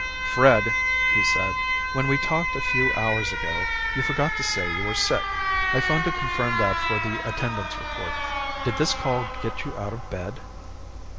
"Fred," he said, "when we talked a few hours ago, you forgot to say you were sick. I phoned to confirm that for the Attendance Report. Did this call get you out of bed?"